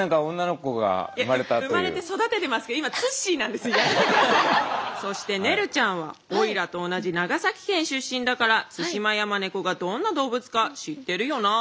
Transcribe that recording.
産まれて育ててますけどそしてねるちゃんはオイラと同じ長崎県出身だからツシマヤマネコがどんな動物か知ってるよな？